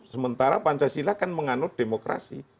sementara pancasila kan menganut demokrasi